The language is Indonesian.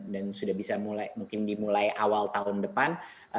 dan sudah bisa mulai mungkin dimulai awal tahun depan